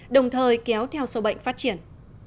đồng thời kéo theo số bệnh phát triển